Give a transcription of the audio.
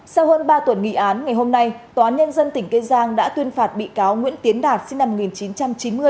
sau hơn ba tuần nghị án ngày hôm nay tòa án nhân dân tỉnh kiên giang đã tuyên phạt bị cáo nguyễn tiến đạt sinh năm một nghìn chín trăm chín mươi